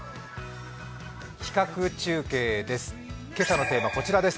企画中継です。